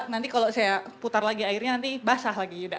nanti kalau saya putar lagi airnya nanti basah lagi yuda